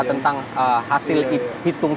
tentang hasil hitung